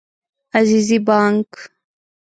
عزیزي بانګ